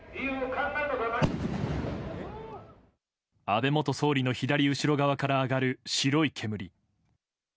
安倍元総理の左後ろ側から上がる、白い煙。